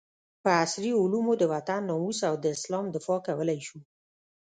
په عصري علومو د وطن ناموس او د اسلام دفاع کولي شو